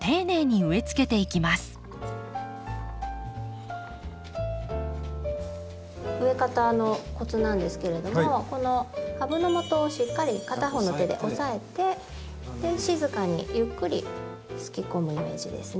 植え方のコツなんですけれどもこの株のもとをしっかり片方の手で押さえて静かにゆっくりすき込むイメージですね。